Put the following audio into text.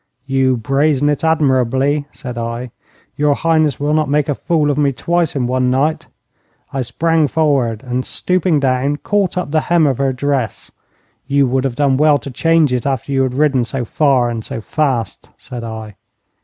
'You brazen it admirably,' said I. 'Your Highness will not make a fool of me twice in one night.' I sprang forward and, stooping down, caught up the hem of her dress. 'You would have done well to change it after you had ridden so far and so fast,' said I.